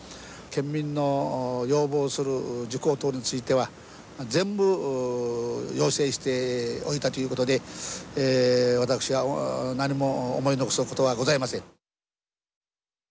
県民の要望する事項等については全部要請しておいたということで私は何も思い残すことはございません。